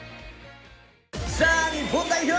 さあ、日本代表。